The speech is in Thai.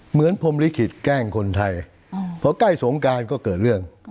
เหมือนพลมลิขิตแก้งคนไทยเพราะใกล้ศงการก็เกิดเรื่อง